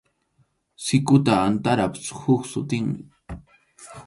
Sikuqa antarap huk sutinmi.